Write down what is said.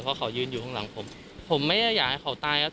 เพราะเขายืนอยู่ข้างหลังผมผมไม่ได้อยากให้เขาตายครับ